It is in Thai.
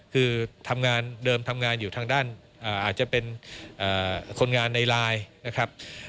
คือทำงานเดิมทำงานอยู่ทางด้านอาจจะเป็นคนงานในไลน์นะครับ